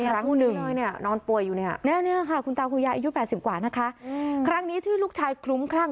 ครั้งหนึ่งนอนป่วยอยู่เนี่ยค่ะคุณตาคุณยายอายุ๘๐กว่านะคะครั้งนี้ที่ลูกชายคลุ้มคลั่ง